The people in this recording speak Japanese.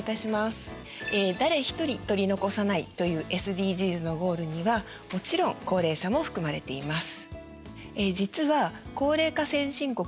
誰ひとり取り残さないというＳＤＧｓのゴールにはもちろん高齢者も含まれています。